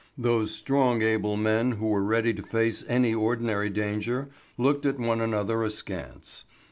Those strong able men who were ready to face any ordinary danger looked at one another askance.